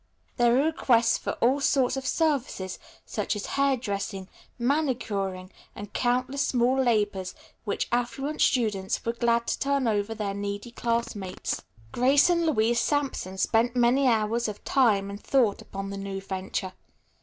There were requests for all sorts of services such as hair dressing, manicuring and countless small labors which affluent students were glad to turn over to their needy classmates. Grace and Louise Sampson spent many hours of time and thought upon the new venture.